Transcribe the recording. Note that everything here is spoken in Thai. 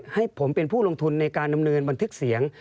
ให้ผมเป็นผู้ลงทุนในการดำเนินบันทึกเสียง